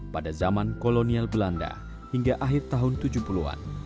pada zaman kolonial belanda hingga akhir tahun tujuh puluh an